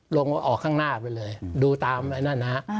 ลงออกข้างหน้าไปเลยดูตามไอ้นั่นนะฮะ